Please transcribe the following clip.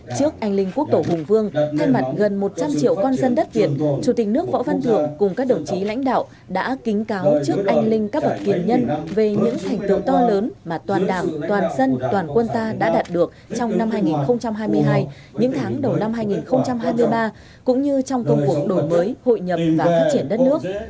trước anh linh quốc tổ hùng vương thay mặt gần một trăm linh triệu con dân đất việt chủ tịch nước võ văn thượng cùng các đồng chí lãnh đạo đã kính cáo trước anh linh các bậc tiền nhân về những thành tựu to lớn mà toàn đảng toàn dân toàn quân ta đã đạt được trong năm hai nghìn hai mươi hai những tháng đầu năm hai nghìn hai mươi ba cũng như trong công cuộc đổi mới hội nhập và phát triển đất nước